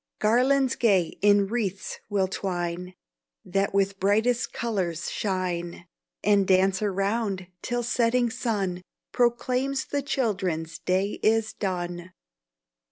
Garlands gay in wreaths we'll twine, That with brightest colours shine; And dance around, till setting sun Proclaims the children's day is done.